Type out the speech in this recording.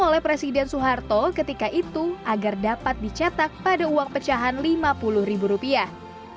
oleh presiden soeharto ketika itu agar dapat dicetak pada uang pecahan lima puluh ribu rupiah